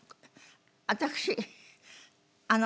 私あの。